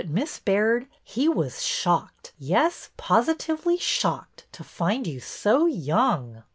Miss Baird, he was shocked, yes, positively shocked, to find you so young."